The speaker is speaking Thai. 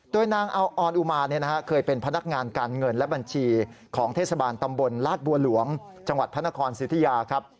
โดยนางออนอุมาวุฒราเนี่ยนะฮะเคยเป็นพนักงานการเงินและบัญชีของเทศบาลตำบลลากบัวหลวงจังหวัดพนครสิทธิาครับ